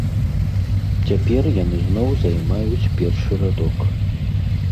Цяпер яны зноў займаюць першы радок.